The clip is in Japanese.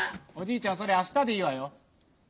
おじいちゃんそれあしたでいいわよ。